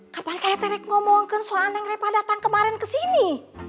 kapan saya ngomongin soalnya mereka datang kemarin kesini